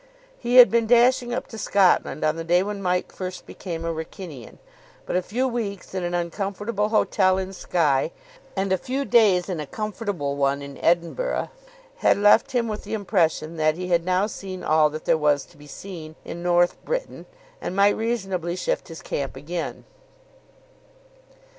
He had been dashing up to Scotland on the day when Mike first became a Wrykynian, but a few weeks in an uncomfortable hotel in Skye and a few days in a comfortable one in Edinburgh had left him with the impression that he had now seen all that there was to be seen in North Britain and might reasonably shift his camp again.